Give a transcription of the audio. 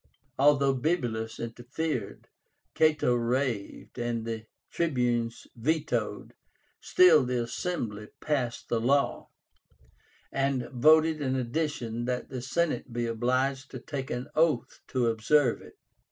Although Bibulus interfered, Cato raved, and the Tribunes vetoed, still the Assembly passed the law, and voted in addition that the Senate be obliged to take an oath to observe it.